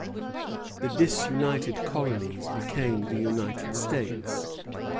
The disunited colonies became the United States.